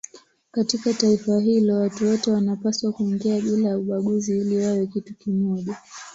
Katika taifa hilo watu wote wanapaswa kuingia bila ya ubaguzi ili wawe kitu kimoja.